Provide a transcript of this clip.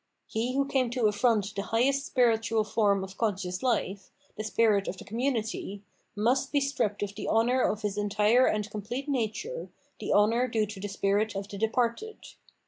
He who came to afiront the highest spiritual form of conscious life, the spirit of the com munity, must be stripped of the honour of his entire and complete nature, the honour due to the spirit of the departed.